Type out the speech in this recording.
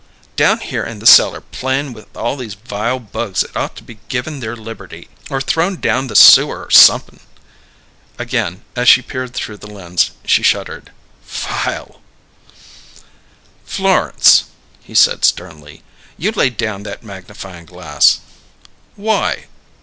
Down here in the cellar playin' with all these vile bugs that ought to be given their liberty, or thrown down the sewer, or somep'n!" Again, as she peered through the lens, she shuddered. "Vile " "Florence," he said sternly, "you lay down that magnifying glass." "Why?"